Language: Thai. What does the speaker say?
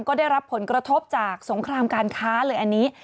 ก็ได้รับผลกระทบจากสงครามการค้าเลยอันนี้